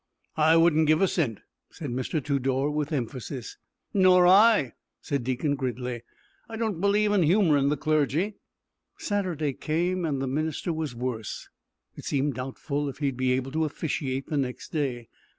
"I wouldn't give a cent," said Mr. Tudor, with emphasis. "Nor I," said Deacon Gridley. "I don't believe in humorin' the clergy." Saturday came, and the minister was worse. It seemed doubtful if he would be able to officiate the next day.